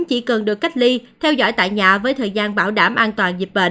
chỉ cần được cách ly theo dõi tại nhà với thời gian bảo đảm an toàn dịch bệnh